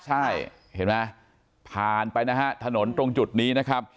ใช่เห็นไหมผ่านไปนะฮะถนนตรงจุดนี้นะครับ